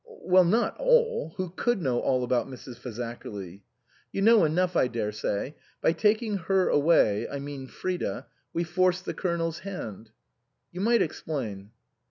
" Well, not all. Who could know all about Mrs. Fazakerly?" "You know enough, I daresay. By taking her away I mean Frida we force the Colonel's hand." " You might explain."